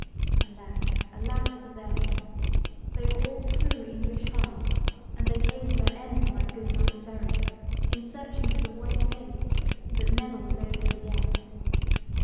Alas, alas, for them! They were all true English hearts; and they came to their end like good knights errant, in searching for the white gate that never was opened yet.